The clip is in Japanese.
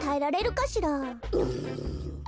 うん。